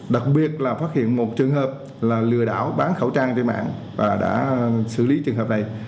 đặc biệt là phát hiện một trường hợp là lừa đảo bán khẩu trang trên mạng và đã xử lý trường hợp này